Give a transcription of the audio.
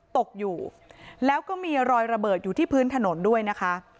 ตกอยู่แล้วก็มีรอยระเบิดอยู่ที่พื้นถนนด้วยนะคะ